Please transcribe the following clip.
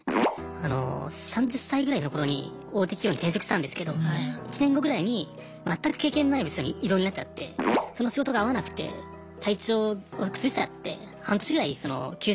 あの３０歳ぐらいの頃に大手企業に転職したんですけど１年後ぐらいに全く経験のない部署に異動になっちゃってその仕事が合わなくて体調を崩しちゃって半年ぐらい休職したんですね。